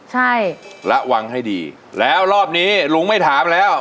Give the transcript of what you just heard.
ใช่ระวังให้ดีแล้วรอบนี้ลุงไม่ถามแล้ว